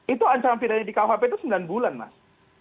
itu ancaman pidana di kuhp itu sembilan bulan mas